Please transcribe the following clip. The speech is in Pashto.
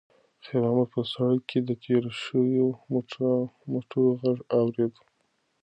خیر محمد په سړک کې د تېرو شویو موټرو غږ اورېده.